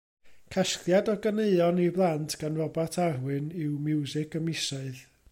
Casgliad o ganeuon i blant gan Robat Arwyn yw Miwsig y Misoedd.